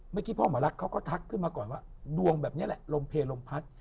เมื่อกี้พ่อหมอรักเขาก็ทักขึ้นมาก่อนว่าดวงแบบนี้แหละลมเพลลมพัด